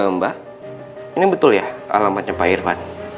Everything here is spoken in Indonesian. mbak ini betul ya alamatnya pak irfan